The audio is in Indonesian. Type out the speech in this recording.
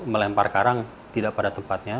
melempar karang tidak pada tempatnya